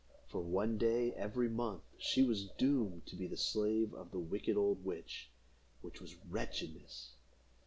For one day every month she was doomed to be the slave of the wicked old witch, which was wretchedness.